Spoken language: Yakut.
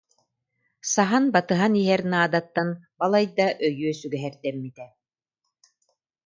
Саһан батыһан иһэр наадаттан балайда өйүө сүгэһэрдэммитэ